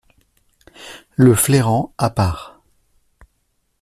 Le flairant, à part.